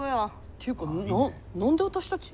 っていうか何で私たち？